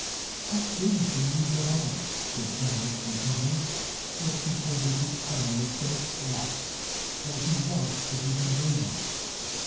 "How famously you get on!" said Anna, one evening, as she counted his pile of finished blocks while he wrought at his engraving.